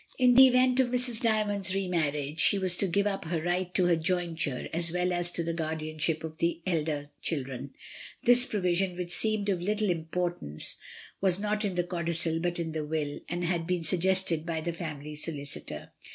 In the event of Mrs. Dymond's re marriage, she was to give up her right to her jointure as well as to the guardianship of the elder children. This provision, which seemed of little importance, was not in the codicil but in the will, and had been suggested by the family solicitor.